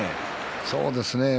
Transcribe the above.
そうですね。